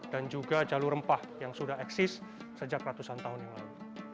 juga jalur rempah yang sudah eksis sejak ratusan tahun yang lalu